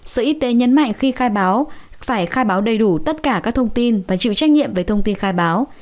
sở y tế nhấn mạnh khi khai báo phải khai báo đầy đủ tất cả các thông tin và chịu trách nhiệm về thông tin khai báo